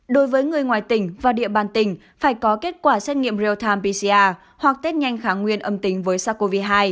đối với người ngoài tình và địa bàn tình phải có kết quả xét nghiệm real time pcr hoặc tết nhanh kháng nguyên âm tính với sars cov hai